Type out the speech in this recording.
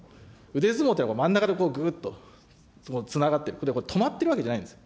腕相撲っていうのは真ん中でぐーっとつながってる、止まってるわけじゃないんです。